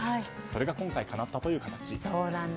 それが今回かなったという形。